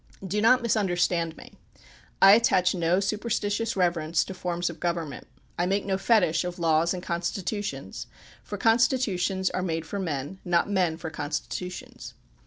Do not misunderstand me. I attach no superstitious reverence to forms of govern ment. I make no fetich of laws and constitutions, for constitutions are made for men, not men for constitu tions.